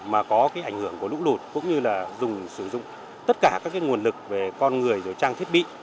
mà có cái ảnh hưởng của lũ lụt cũng như là dùng sử dụng tất cả các nguồn lực về con người rồi trang thiết bị